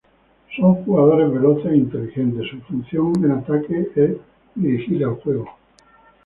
Son jugadores veloces e inteligentes, su función en ataque es dirigir el juego.